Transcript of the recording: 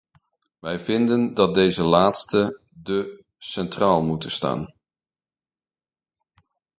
Wij vinden dat deze laatste, de , centraal moeten staan.